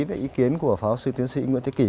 với ý kiến của pháo sư tuyến sĩ nguyễn thế kỷ